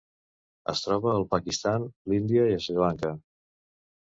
Es troba al Pakistan, l'Índia i Sri Lanka.